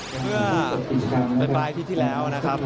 เพื่อเป็นภายพฤษนูนาอยนี้ที่แล้วนะครับ